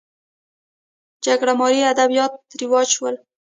جګړه مارۍ ادبیات رواج شول